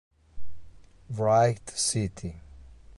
Wright City